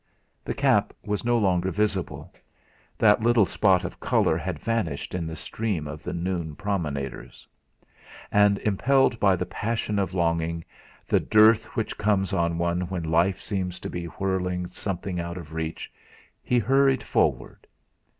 The cap was no longer visible; that little spot of colour had vanished in the stream of the noon promenaders. And impelled by the passion of longing, the dearth which comes on one when life seems to be whirling something out of reach, he hurried forward.